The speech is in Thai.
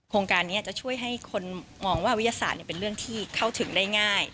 โครงการนี้จะช่วยให้คนมองว่าวิทยาศาสตร์เป็นเรื่องที่เข้าถึงได้ง่าย